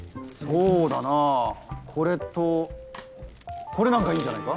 そうだなこれとこれなんかいいんじゃないか？